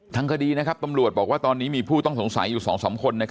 ทั้งคดีนะครับตอนนี้มีผู้ต้องสงสัยอยู่สองสามคน